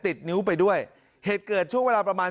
ติดนิ้วไปด้วยเหตุเกิดช่วงเวลาประมาณ